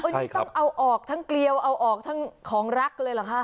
นี่ต้องเอาออกทั้งเกลียวเอาออกทั้งของรักเลยเหรอคะ